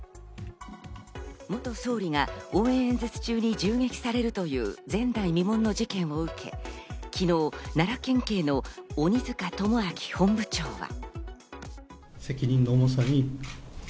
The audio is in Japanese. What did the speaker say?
元総理が応援演説中に銃撃されるという前代未聞の事件を受け、昨日、奈良県警の鬼塚友章本部長は。